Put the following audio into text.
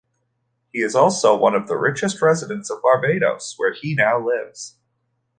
He is also one of the richest residents of Barbados, where he now lives.